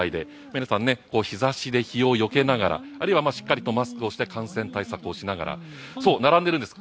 皆さん、日差しを日をよけながらあるいはしっかりとマスクをして感染対策をしながら並んでいるんです。